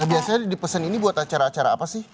biasanya dipesan ini buat acara acara apa sih